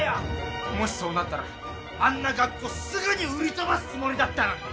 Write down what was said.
もしそうなったらあんな学校すぐに売り飛ばすつもりだったのに。